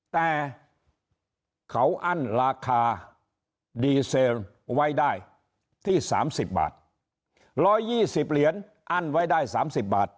แต่เขาอั้นราคาดีเซลไว้ได้ที่๓๐บาท๑๒๐เหรียญอั้นไว้ได้๓๐บาท